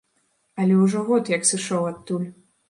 Але ўжо год як сышоў адтуль.